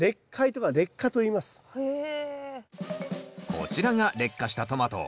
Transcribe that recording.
こちらが裂果したトマト。